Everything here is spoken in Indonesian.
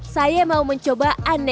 saya mau mencoba aneka burger